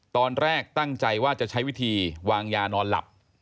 ตอนแรกตั้งใจว่าจะใช้วิธีวางยานอนหลับ